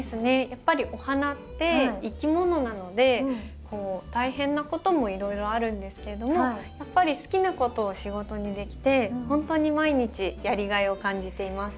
やっぱりお花って生き物なので大変なこともいろいろあるんですけれどもやっぱり好きなことを仕事にできてほんとに毎日やりがいを感じています。